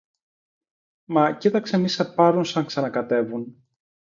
Μα κοίταξε μη σε πάρουν σαν ξανακατέβουν.